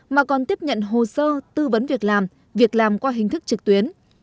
mà còn tiếp nhận hồ sơ tư vấn việc làm việc làm qua hình thức trực tuyến